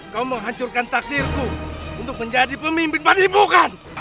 kamu menghancurkan takdirku untuk menjadi pemimpin padepokan